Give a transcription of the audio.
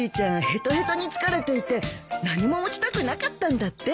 へとへとに疲れていて何も持ちたくなかったんだって。